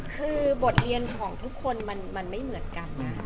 คือบทเรียนของทุกคนมันไม่เหมือนกันนะ